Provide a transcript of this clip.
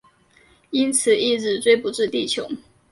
因此一直追捕至地球。